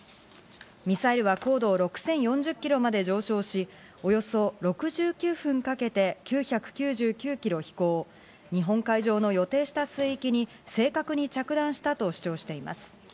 ミサイルは高度６０４０キロまで上昇し、およそ６９分かけて９９９キロ飛行、日本海上の予定した水域に正確に着弾したと主張しています。